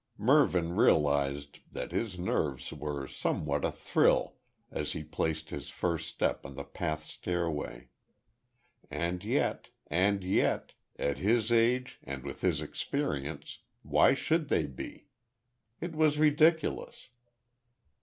Mervyn realised that his nerves were somewhat athrill as he placed his first step on the path stairway. And yet and yet at his age, and with his experience, why should they be? It was ridiculous.